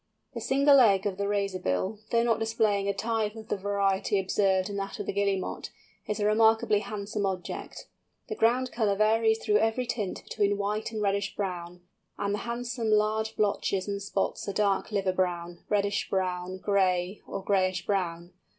The single egg of the Razorbill, though not displaying a tithe of the variety observed in that of the Guillemot, is a remarkably handsome object. The ground colour varies through every tint between white and reddish brown, and the handsome large blotches and spots are dark liver brown, reddish brown, gray, or grayish brown.